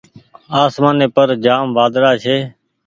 آسمآني پر جآم وآۮڙآ ڇي۔